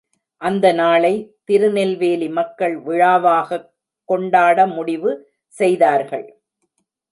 அந்த நாளை திருநெல்வேலி மக்கள் விழாவாக் கொண்டாட முடிவு செய்தார்கள்.